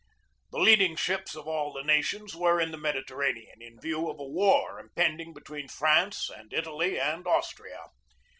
The leading ships of all the nations were in the Mediterranean, in view of a war impending between France and Italy and Austria.